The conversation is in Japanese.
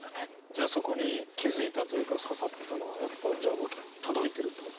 じゃあそこに気付いたというか刺さったのはやっぱじゃあ届いてるってことですね。